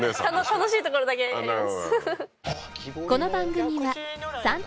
楽しいところだけやります